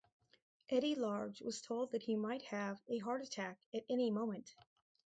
Eddie Large was told that he might have a heart attack at any moment.